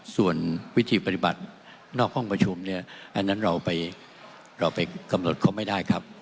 ส่วนวิธีปฏิบัตินอกห้องประชุมเนี่ยอันนั้นเราไปเราไปกำหนดเขาไม่ได้ครับ